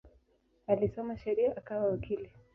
Alisoma sheria akawa wakili.